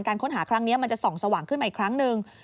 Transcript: ค้นหาครั้งนี้มันจะส่องสว่างขึ้นมาอีกครั้งหนึ่ง